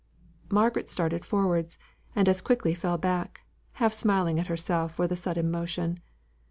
Margaret started forwards, and as quickly fell back, half smiling at herself for the sudden motion.